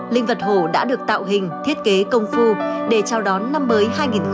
linh vật hổ đã được tạo hình thiết kế công phu để trao đón năm mới hai nghìn hai mươi hai